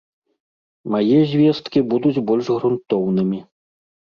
Мае звесткі будуць больш грунтоўнымі.